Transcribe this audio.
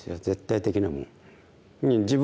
絶対的なもん。